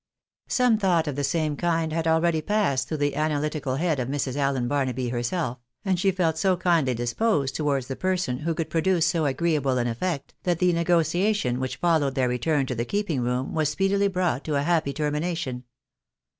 Some thought of the same kind had already passed through the analytical head of Mrs. Allen Barnaby herself, and she felt so kindly disposed towards the person who could produce so agreeable an effect, that the negotiation which followed their return to the keeping room, was speedily brought to a happy termination.